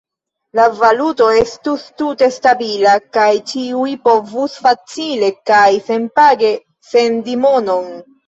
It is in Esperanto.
La valuto estus tute stabila kaj ĉiuj povus facile kaj senpage sendi monon.